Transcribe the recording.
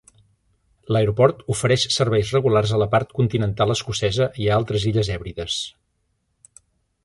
L'aeroport ofereix serveis regulars a la part continental escocesa i a altres illes Hèbrides.